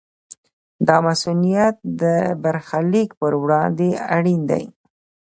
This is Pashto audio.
دا مصونیت د برخلیک پر وړاندې اړین دی.